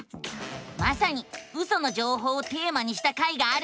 まさにウソの情報をテーマにした回があるのさ！